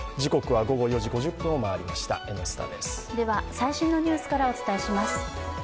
最新のニュースからお伝えします。